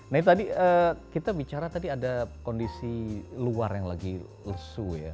nah ini tadi kita bicara tadi ada kondisi luar yang lagi lesu ya